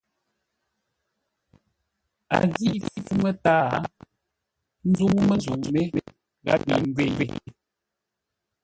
A ghǐ fú mətǎa zə́u məzə̂u mé gháp mi ngwě yé.